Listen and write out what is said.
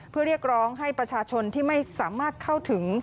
เพื่อเรียกร้องให้ประชาชนที่ไม่สามารถเข้าถึง